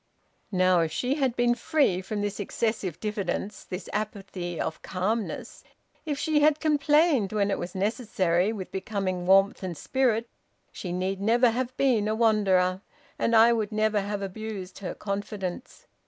"Now, if she had been free from this excessive diffidence, this apathy of calmness, if she had complained when it was necessary, with becoming warmth and spirit, she need never have been a wanderer, and I would never have abused her confidence.